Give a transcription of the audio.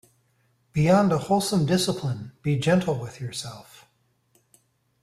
Beyond a wholesome discipline, be gentle with yourself.